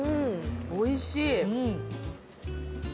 おいしい！